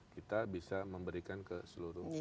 kita bisa memberikan ke seluruh